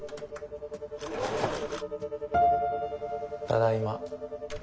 ただいま。